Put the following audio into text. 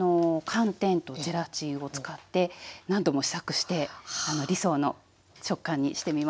寒天とゼラチンを使って何度も試作して理想の食感にしてみました。